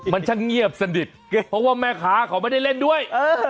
มันช่างเงียบสนิทเพราะว่าแม่ค้าเขาไม่ได้เล่นด้วย